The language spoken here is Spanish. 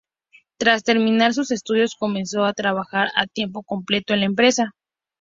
Tras terminar sus estudios, comenzó a trabaja a tiempo completo en la empresa.